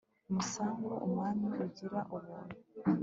musangu umwami ugira ubuntu